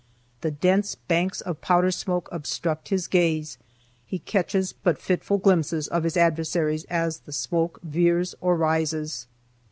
The dense banks of powder smoke obstruct his gaze; he catches but fitful glimpses of his adversaries as the smoke veers or rises.